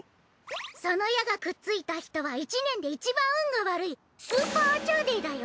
その矢がくっついた人は１年でいちばん運が悪いスーパーあちゃーデーだよ。